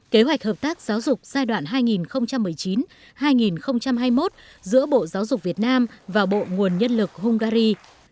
kế hoạch hợp tác giáo dục giai đoạn hai nghìn một mươi chín hai nghìn hai mươi một giữa bộ giáo dục việt nam và bộ nguồn nhân lực hungary